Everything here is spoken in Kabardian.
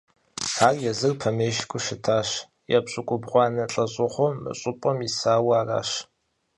Ар езыр помещикыу щытащ, епщыкӀубгъуанэ лӀэщӀыгъуэм мы щӀыпӀэм исауэ аращ.